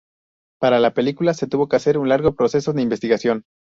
Para la película se tuvo que hacer un largo proceso de investigación.